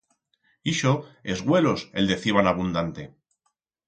Ixo es güelos el deciban abundante.